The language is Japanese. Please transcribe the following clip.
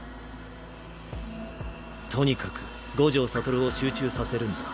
とにかく五条悟を集中させるんだ。